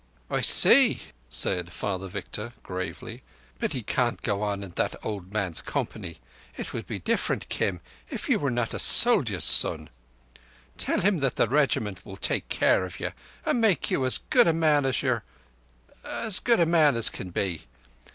"I see," said Father Victor gravely. "But he can't go on in that old man's company. It would be different, Kim, if you were not a soldier's son. Tell him that the Regiment will take care of you and make you as good a man as your—as good a man as can be.